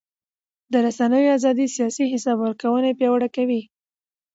د رسنیو ازادي سیاسي حساب ورکونه پیاوړې کوي